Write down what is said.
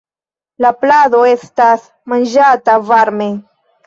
La plado estas manĝata varme.